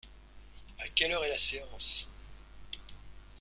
À quelle heure est la séance ?